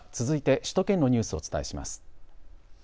続いて首都圏のニュースをお伝えします。